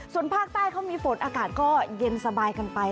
ส่วนภาคใต้เขามีฝนอากาศก็เย็นสบายกันไป